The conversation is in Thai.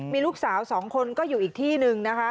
มีลูกสาว๒คนก็อยู่อีกที่หนึ่งนะคะ